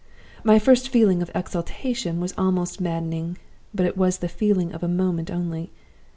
"My first feeling of exultation was almost maddening. But it was the feeling of a moment only.